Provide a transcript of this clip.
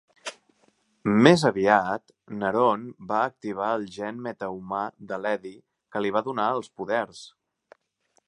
Més aviat, Neron va activar el gen metahumà de l'Eddie que li va donar els poders.